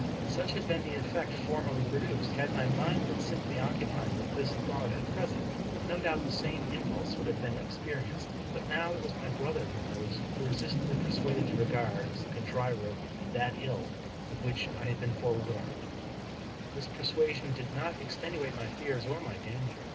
Such had been the effect formerly produced. Had my mind been simply occupied with this thought at present, no doubt the same impulse would have been experienced ; but now it was my brother whom I was irresistibly persuaded to regard as the con triver of that ill of which I had been forewarned. This 258 Charles Brockdcn Brown persuasion did not extenuate my fears or my danger.